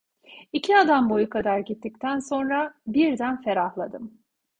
İki adam boyu kadar gittikten sonra birden ferahladım.